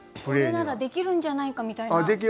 これならできるんじゃないかみたいな。